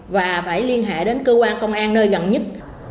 và phải liên hệ đến cơ quan công an nơi gần nhất